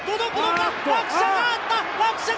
落車があった！